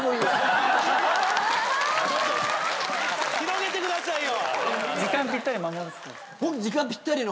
広げてくださいよ。